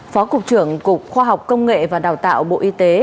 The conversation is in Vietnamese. phó cục trưởng cục khoa học công nghệ và đào tạo bộ y tế